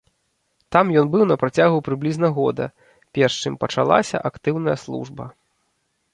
Там ён быў на працягу прыблізна года, перш чым пачалася актыўная служба.